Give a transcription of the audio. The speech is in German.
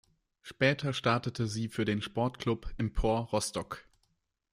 Später startete sie für den Sportclub Empor Rostock.